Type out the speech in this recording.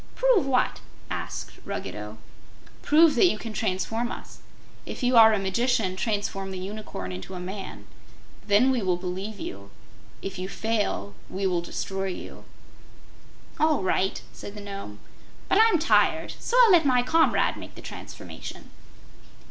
"Prove what?" asked Ruggedo. "Prove that you can transform us. If you are a magician transform the Unicorn into a man. Then we will believe you. If you fail, we will destroy you." "All right," said the Nome. "But I'm tired, so I'll let my comrade make the transformation."